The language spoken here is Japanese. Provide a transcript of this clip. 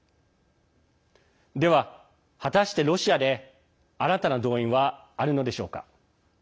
では果たしてロシアで新たな動員はあるのでしょうか。